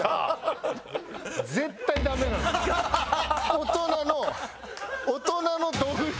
大人の。